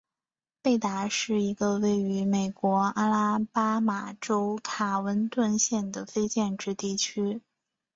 贝达是一个位于美国阿拉巴马州卡温顿县的非建制地区。